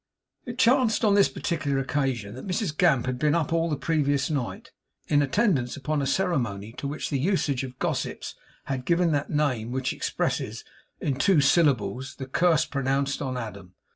It chanced on this particular occasion, that Mrs Gamp had been up all the previous night, in attendance upon a ceremony to which the usage of gossips has given that name which expresses, in two syllables, the curse pronounced on Adam.